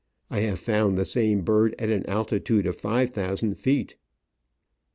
I have found the same bird at an altitude of five thousand feet.